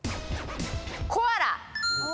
コアラ！